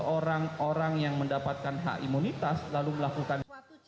orang orang yang mendapatkan hak imunitas lalu melakukan